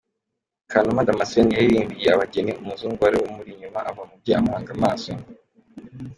Kanuma Damascene yaririmbiye abageni, umuzungu wari umuri inyuma ava mu bye amuhanga amaso.